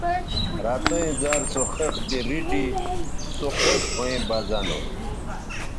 رَتیئں زر سو خِختے ریٹھی سو خوش ھویں بہ زہ نو